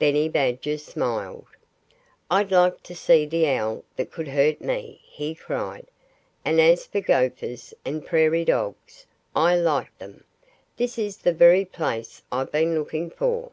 Benny Badger smiled. "I'd like to see the Owl that could hurt me!" he cried. "And as for Gophers and Prairie Dogs, I like them. ... This is the very place I've been looking for.